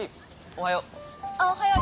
おはよう。